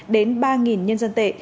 đến ba nhân dân tệ